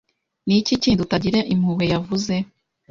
Ni iki kindi utagira impuhwe yavuze